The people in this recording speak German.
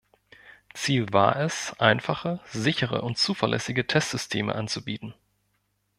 Ziel war es, einfache, sichere und zuverlässige Testsysteme anzubieten.